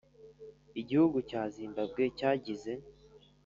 igihugu cya zimbabwe cyagize